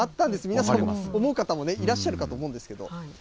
皆さんも思う方もいらっしゃるかと思うんですけど。